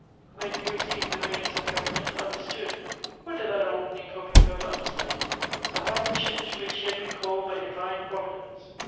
when he resumed the reins of Government, understood (what did that old nincompoop ever understand?) _the high mission to which he had been called by Divine Providence!